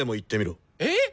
えっ！？